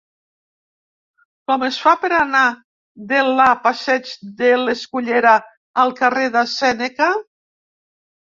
Com es fa per anar de la passeig de l'Escullera al carrer de Sèneca?